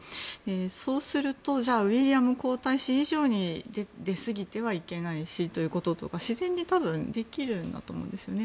そうすると、じゃあウィリアム皇太子以上に出すぎてはいけないしということとか自然に多分できるんだと思うんですね。